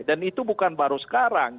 dan itu bukan baru sekarang